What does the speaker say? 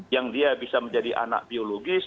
yang dia bisa menjadi anak biologis